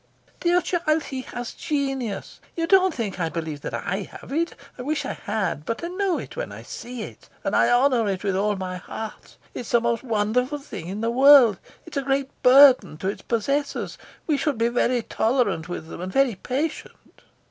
"Dear child, he has genius. You don't think I believe that I have it. I wish I had; but I know it when I see it, and I honour it with all my heart. It's the most wonderful thing in the world. It's a great burden to its possessors. We should be very tolerant with them, and very patient."